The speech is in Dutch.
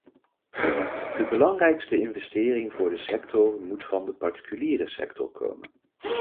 De belangrijkste investering voor de sector moet van de particuliere sector komen.